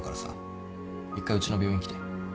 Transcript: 一回うちの病院来て。